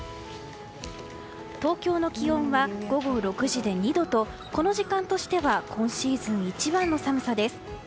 東京の気温は午後６時で２度とこの時間としては今シーズン一番の寒さです。